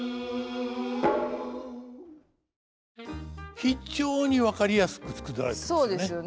非常に分かりやすく作られてますね。